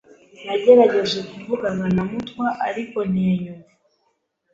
Nagerageje kuvugana na Mutwa, ariko ntiyanyumva.